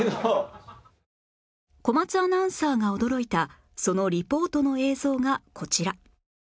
小松アナウンサーが驚いたそのリポートの映像がこちら